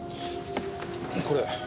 これ。